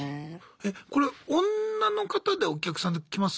えこれ女の方でお客さんって来ます？